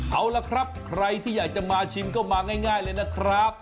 เอาละครับใครที่อยากจะมาชิมก็มาง่ายเลยนะครับ